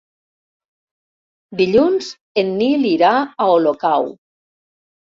Dilluns en Nil irà a Olocau.